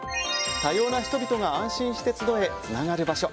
多様な人々が安心して集えつながる場所。